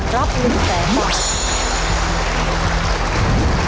รับ๑๐๐๐บาท